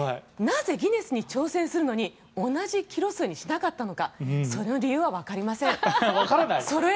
なぜギネスに挑戦するのに同じキロ数にしなかったのかその理由はわかりません。